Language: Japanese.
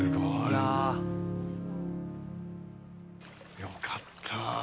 良かった。